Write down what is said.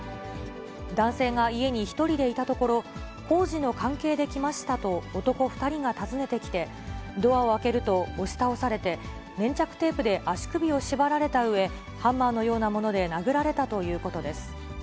男性が家に１人でいたところ、工事の関係で来ましたと男２人が訪ねてきて、ドアを開けると、押し倒されて、粘着テープで足首を縛られたうえ、ハンマーのようなもので殴られたということです。